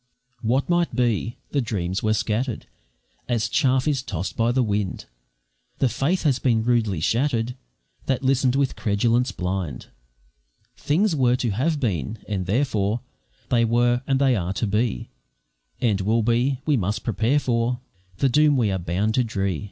What might be! the dreams were scatter'd, As chaff is toss'd by the wind, The faith has been rudely shattered That listen'd with credence blind; Things were to have been, and therefore They were, and they are to be, And will be; we must prepare for The doom we are bound to dree.